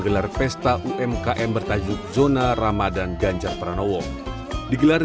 gimana nih bu masyarakat yang datang ke sini